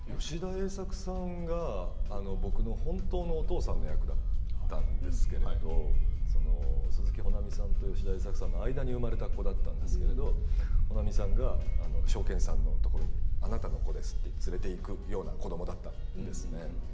吉田栄作さんが僕の本当のお父さんの役だったんですけれど鈴木保奈美さんと吉田栄作さんの間に生まれた子だったんですけど保奈美さんがショーケンさんのところにあなたの子ですと連れて行くような子どもだったんですね。